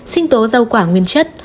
hai sinh tố rau quả nguyên chất